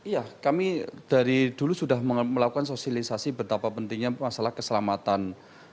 ya kami dari dulu sudah melakukan sosialisasi betapa pentingnya masalah keselamatan